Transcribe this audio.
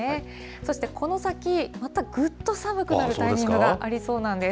そしてこの先、またぐっと寒くなるタイミングがありそうなんです。